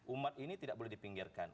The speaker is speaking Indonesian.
umat ini tidak boleh dipinggirkan